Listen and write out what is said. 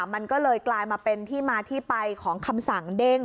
มันก็เลยกลายมาเป็นที่มาที่ไปของคำสั่งเด้ง